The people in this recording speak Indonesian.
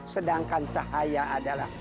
sedangkan cahaya adalah